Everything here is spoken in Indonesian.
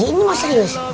iya ini mau serius